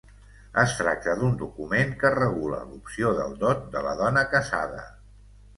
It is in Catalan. Es tracta d'un document que regula l'opció del dot de la dona casada.